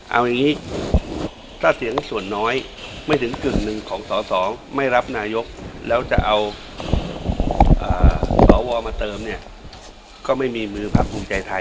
เอาอย่างนี้ถ้าเสียงส่วนน้อยไม่ถึงกึ่งหนึ่งของสอสอไม่รับนายกแล้วจะเอาสวมาเติมเนี่ยก็ไม่มีมือพักภูมิใจไทย